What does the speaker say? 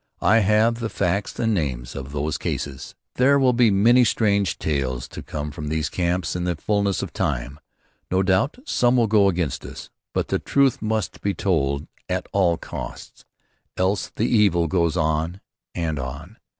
I have the facts and names of these cases. There will be many strange tales to come from these camps in the fulness of time. No doubt some will go against us, but the truth must be told at all costs, else the evil goes on and on.